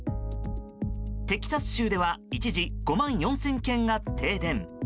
テキサス州では一時５万４０００軒が停電。